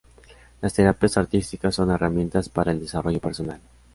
Las terapias artísticas son herramientas para el desarrollo personal.